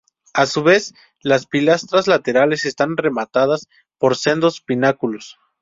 A su vez, las pilastras laterales están rematadas por sendos pináculos.